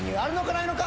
ないのか？